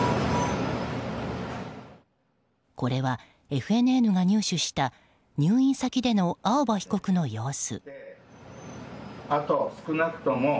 これは、ＦＮＮが入手した入院先での青葉被告の様子。